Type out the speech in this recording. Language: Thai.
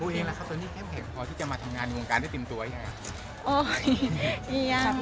บุ๊คเองล่ะครับตอนนี้แค่เห็นพอที่จะมาทำงานในวงการได้ติดตัวอย่างไร